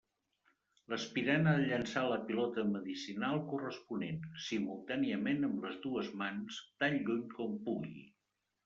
L'aspirant ha de llançar la pilota medicinal corresponent, simultàniament amb les dues mans, tan lluny com pugui.